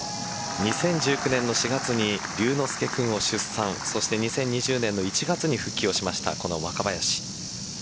２０１９年の４月にりゅうのすけ君を出産そして２０２０年の１月に復帰をしました、若林。